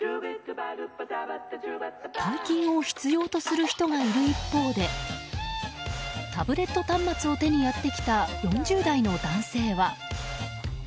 大金を必要とする人がいる一方でタブレット端末を手にやってきた４０代の男性は。